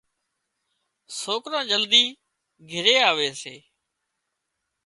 سوڪران جلدي گھري آوي سي